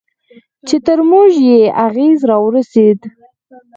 چې تر موږ یې اغېز راورسېد.